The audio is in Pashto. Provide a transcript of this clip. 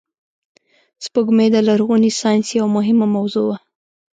سپوږمۍ د لرغوني ساینس یوه مهمه موضوع وه